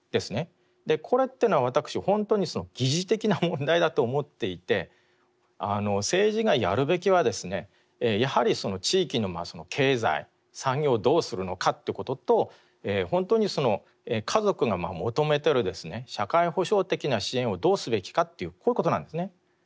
これっていうのは私本当に疑似的な問題だと思っていて政治がやるべきはですねやはりその地域の経済産業をどうするのかということと本当に家族が求めてる社会保障的な支援をどうすべきかっていうこういうことなんですね。